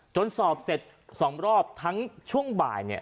สอบเสร็จ๒รอบทั้งช่วงบ่ายเนี่ย